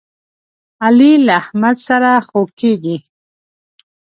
علي له احمد سره خوږ کېږي.